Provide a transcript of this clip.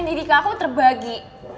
dan deddy kamu terbagi